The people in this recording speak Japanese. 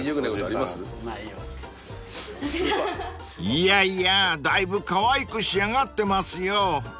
［いやいやだいぶかわいく仕上がってますよ］